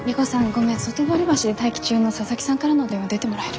ごめん外堀橋で待機中の佐々木さんからの電話出てもらえる？